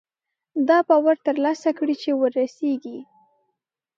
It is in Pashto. دا باور ترلاسه کړي چې وررسېږي.